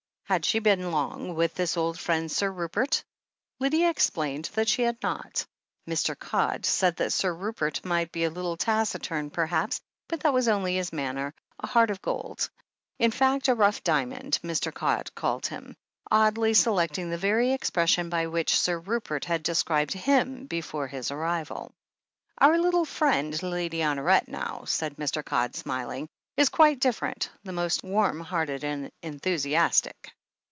Had she been long with his old friend Sir Rupert ? Lydia explained that she had not. Mn Codd said that Sir Rupert might be a little 296 THE HEEL OF ACHILLES taciturn, perhaps, but that was only manner — a heart of gold. In fact, a rough diamond, Mr. Codd called him, oddly selecting the very expression by which Sir Rupert had described him, before his arrival. "Our little friend, Lady Honoret, now," said Mr. Codd, smiling, "is quite different — ^most warm hearted and enthusiastic."